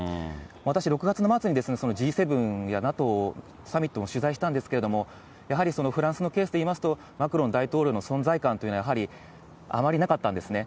私、６月の末にＧ７やＮＡＴＯサミットも取材したんですけれども、やはりフランスのケースで言いますと、マクロン大統領の存在感というのは、やはりあまりなかったんですね。